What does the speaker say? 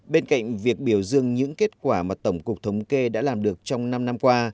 bên cạnh việc biểu dương những kết quả mà tổng cục thống kê đã làm được trong năm năm qua